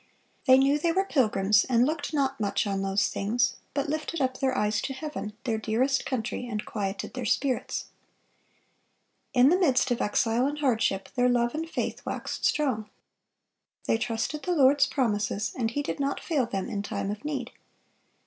"They knew they were pilgrims, and looked not much on those things, but lifted up their eyes to heaven, their dearest country, and quieted their spirits."(433) In the midst of exile and hardship, their love and faith waxed strong. They trusted the Lord's promises, and He did not fail them in time of need.